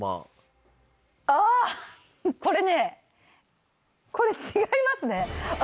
これねこれ違いますね。